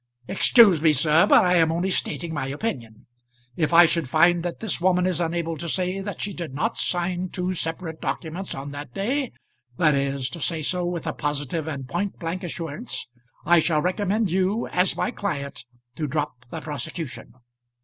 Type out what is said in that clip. "Excuse me, sir, but I am only stating my opinion. If I should find that this woman is unable to say that she did not sign two separate documents on that day that is, to say so with a positive and point blank assurance, I shall recommend you, as my client, to drop the prosecution."